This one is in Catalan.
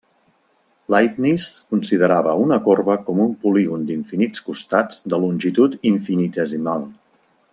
Leibniz considerava una corba com un polígon d'infinits costats de longitud infinitesimal.